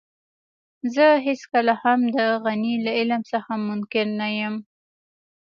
زه هېڅکله هم د غني له علم څخه منکر نه يم.